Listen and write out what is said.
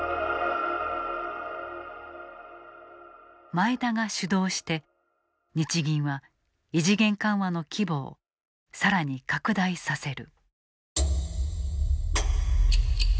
前田が主導して日銀は異次元緩和の規模をさらに拡大させる。